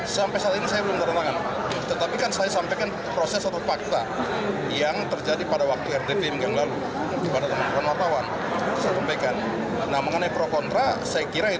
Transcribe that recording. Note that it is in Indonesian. yang pasti hak angket ini kami pergunakan untuk lebih menguatkan kpk itu sendiri